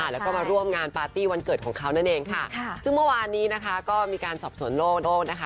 แล้วก็มาร่วมงานปาร์ตี้วันเกิดของเขานั่นเองค่ะซึ่งเมื่อวานนี้นะคะก็มีการสอบสวนโลกนะคะ